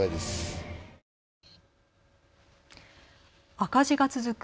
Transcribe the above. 赤字が続く